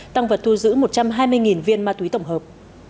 tăng vật thu giữ một trăm hai mươi viên ma túy tổng hợp